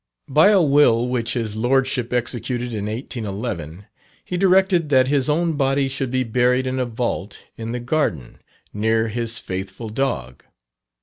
By a will which his Lordship executed in 1811, he directed that his own body should be buried in a vault in the garden, near his faithful dog.